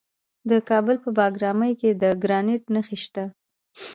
د کابل په بګرامي کې د ګرانیټ نښې شته.